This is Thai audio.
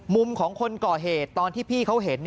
มุมของคนก่อเหตุตอนที่พี่เขาเห็น